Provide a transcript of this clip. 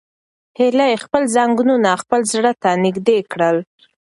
هیلې خپل زنګونونه خپل زړه ته نږدې کړل.